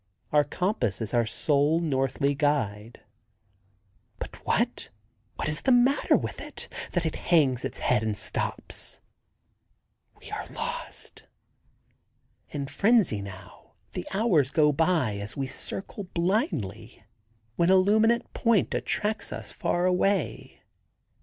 Our compass is our sole northly guide. But what—what is the matter with it that it hangs its head and stops? We are lost! In frenzy, now, the hours go by as we circle blindly, when a luminant point attracts us far away.